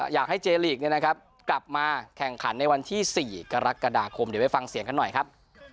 อยากให้เจลีกกลับมาแข่งขันในวันที่๔กรกฎาคมเดี๋ยวไปฟังเสียงกันหน่อยครับ